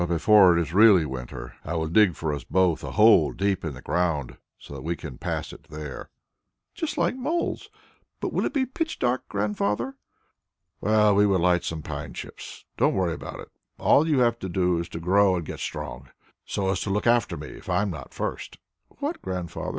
Before it is really winter, I will dig for us both a hole deep in the ground, so that we can pass it there." "Just like moles! But it will be pitch dark, Grandfather." "Well, we will light some pine chips. Don't worry about that. All you have to do is to grow and get strong, so as to look after me, if I am not first " "What, Grandfather?